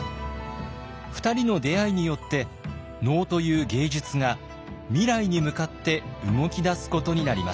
２人の出会いによって能という芸術が未来に向かって動き出すことになります。